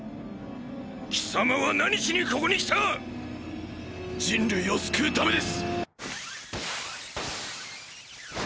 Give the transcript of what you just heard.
貴様は何しにここに来た⁉人類を救うためです！！